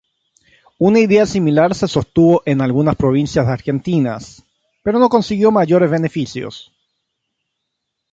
Una idea similar se sostuvo en algunas provincias argentinas, pero no consiguió mayores beneficios.